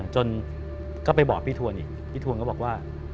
จนก็ไปบอกพี่ทวนอีกพี่ทวนก็บอกว่า